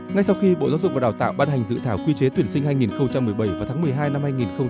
ngay sau khi bộ giáo dục và đào tạo ban hành dự thảo quy chế tuyển sinh hai nghìn một mươi bảy và tháng một mươi hai năm hai nghìn hai mươi